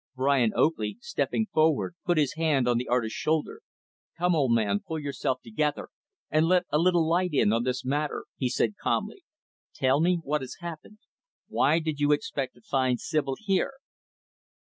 Brian Oakley, stepping forward, put his hand on the artist's shoulder. "Come, old man, pull yourself together and let a little light in on this matter," he said calmly. "Tell me what has happened. Why did you expect to find Sibyl here?"